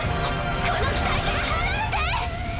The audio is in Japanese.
この機体から離れて！